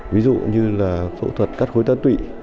ví dụ như là phẫu thuật cắt khối tá tụy